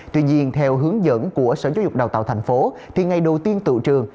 tuy nhiên theo hướng dẫn của sở giáo dục đào tạo tp thì ngày đầu tiên tự trường